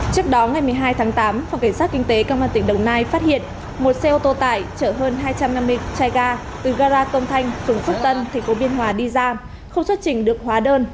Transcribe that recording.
trước đó ngày một mươi hai tháng tám phòng cảnh sát kinh tế công an tỉnh đồng nai phát hiện một xe ô tô tải chở hơn hai trăm năm mươi chai ga từ gara tông thanh phường phúc tân tp biên hòa đi giao không xuất trình được hóa đơn